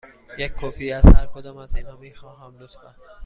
یک کپی از هر کدام از اینها می خواهم، لطفاً.